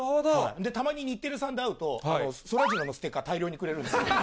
で、たまに日テレさんで会うと、そらジローのステッカー、大量にくれるんですよ。